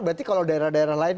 berarti kalau daerah daerah lain